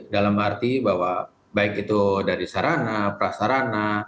dalam arti bahwa baik itu dari sarana prasarana